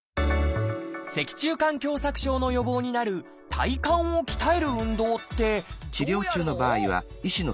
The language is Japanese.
脊柱管狭窄症の予防になる体幹を鍛える運動ってどうやるの？